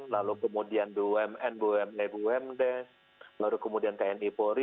lalu kemudian bumn bumdes lalu kemudian tni polri